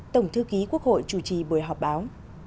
tổng thư ký quốc hội chủ trì buổi họp báo